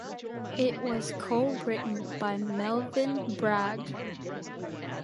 It was co written by Melvyn Bragg.